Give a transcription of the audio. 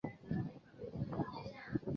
反码是一种在计算机中数的机器码表示。